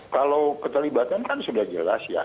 kalau keterlibatan kan sudah jelas ya